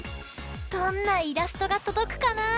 どんなイラストがとどくかな！